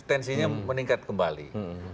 agak tensinya meningkat kembali